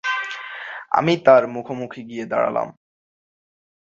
আমি তার মুখোমুখি গিয়ে দাঁড়ালাম।